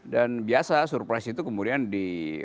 dan biasa surprise itu kemudian di